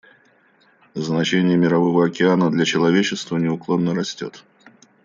Значение Мирового океана для человечества неуклонно растет.